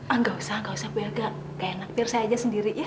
ah gak usah gak usah bu ya gak gak enak biar saya aja sendiri ya